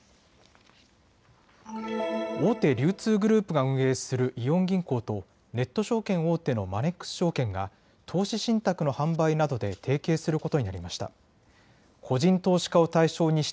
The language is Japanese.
大手流通グループが運営するイオン銀行とネット証券大手のマネックス証券が投資信託の販売などで提携することになりました。